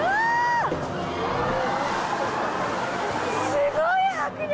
すごい迫力！